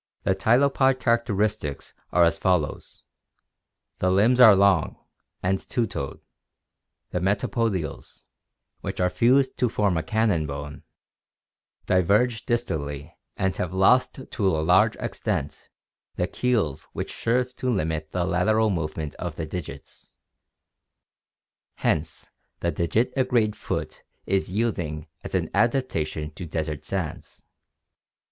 — The tylopod characteristics are as follows: The limbs are long, and two toed; the metapodials, which CAMELS 627 are fused to form a cannon bone, diverge distally and have lost to a large extent the keels which serve to limit the lateral movement of the digits. Hence the digitigrade foot is yielding as an adapta tion to desert sands.